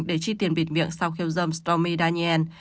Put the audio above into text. để chi tiền biệt miệng sau khiêu dâm stormy daniel